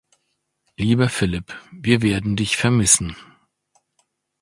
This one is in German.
Lieber Phillip, wir werden dich vermissen.